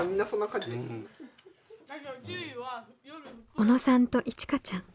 小野さんといちかちゃん。